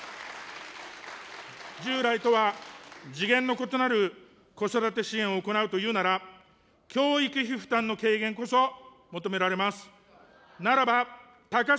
従来とは次元の異なる子育て支援を行うというなら、教育費負担の軽減こそ求められます。